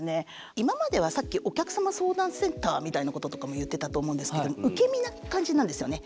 今まではさっきお客様相談センターみたいなこととかも言ってたと思うんですけど受け身な感じなんですよね。